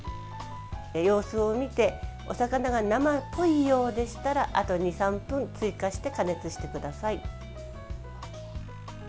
様子を見てお魚が生っぽいようでしたらあと２３分追加して加熱してください。